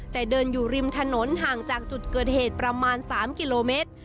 แต่เดินอยู่ริมถนนห่างจากจุดเกิดเหตุประมาณ๓กิโลเมตร